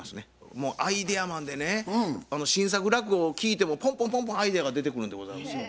もうアイデアマンでね新作落語を聞いてもポンポンポンポンアイデアが出てくるんでございますよ。